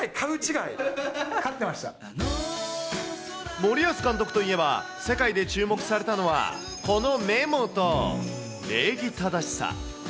森保監督といえば、世界で注目されたのは、このメモと、礼儀正しさ。